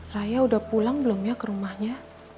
saya udah pulang belum ya ke rumahnya